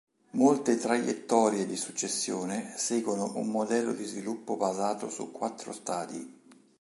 Molte traiettorie di successione seguono un modello di sviluppo basato su quattro stadi.